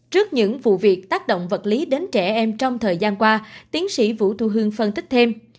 trước những vụ việc tác động vật lý đến trẻ em trong thời gian qua tiến sĩ vũ thu hương phân tích thêm